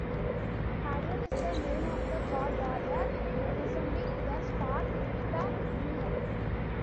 Hagen is the name of the "God Warrior" representing the star Beta Merak.